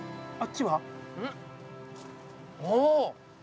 ああ。